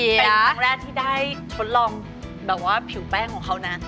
เป็นครั้งแรกที่ได้ทดลองแบบว่าผิวแป้งของเขานะ